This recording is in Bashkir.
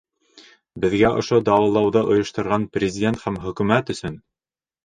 Беҙгә ошо дауалауҙы ойошторған Президент һәм Хөкүмәт өсөн!